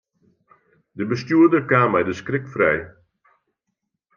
De bestjoerder kaam mei de skrik frij.